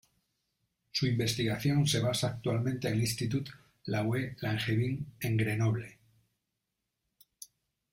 Su investigación se basa actualmente en el Institut Laue-Langevin en Grenoble.